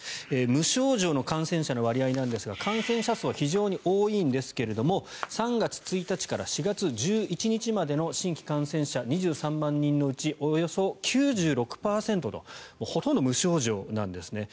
無症状の感染者の割合ですが感染者数は非常に多いんですけれども３月１日から４月１１日までの新規感染者２３万人のうちおよそ９６％とほとんど無症状なんですね。